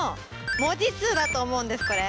文字数だと思うんですこれ。